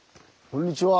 こんにちは。